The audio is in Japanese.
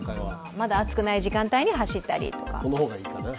まだ暑くない時間帯に走ったりとか。